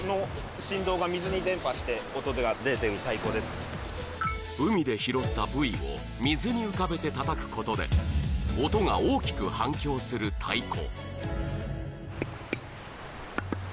他にも海で拾ったブイを水に浮かべてたたくことで音が大きく反響する太鼓。